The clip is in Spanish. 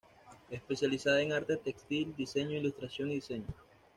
Especializada en arte textil, diseño, ilustración y diseño.